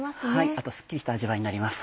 あとすっきりした味わいになります。